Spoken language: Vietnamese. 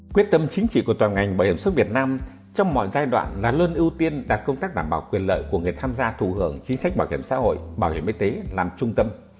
quyết tâm chính trị của toàn ngành bảo hiểm xuất việt nam trong mọi giai đoạn là luôn ưu tiên đạt công tác đảm bảo quyền lợi của người tham gia thù hưởng chính sách bảo hiểm xã hội bảo hiểm y tế làm trung tâm